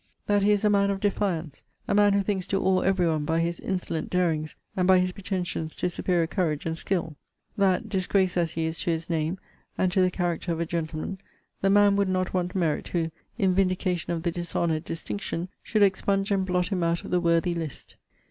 That he is a man of defiance: a man who thinks to awe every one by his insolent darings, and by his pretensions to superior courage and skill. That, disgrace as he is to his name, and to the character of a gentleman, the man would not want merit, who, in vindication of the dishonoured distincion, should expunge and blot him out of the worthy list.